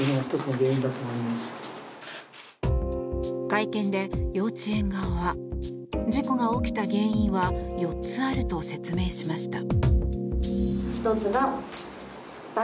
会見で幼稚園側は事故が起きた原因は４つあると説明しました。